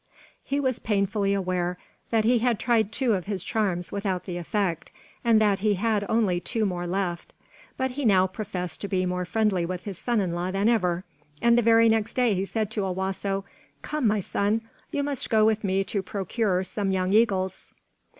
He was painfully aware that he had tried two of his charms without effect, and that he had only two more left. But he now professed to be more friendly with his son in law than ever, and the very next day he said to Owasso: "Come, my son, you must go with me to procure some young eagles.